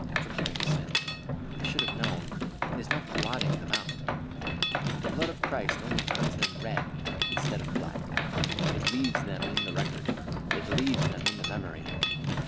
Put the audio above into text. Forgiving sins, I should have known, is not blotting, them out. The blood of Christ only turns them red instead of black. It leaves them in the record. It leaves them in the memory.